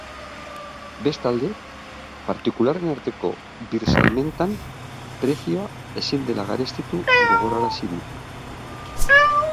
Bestalde, partikularren arteko birsalmentan prezioa ezin dela garestitu gogorarazi du.